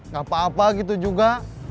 gak apa apa gitu juga